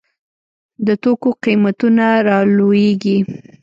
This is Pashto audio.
د توکو قیمتونه رالویږي.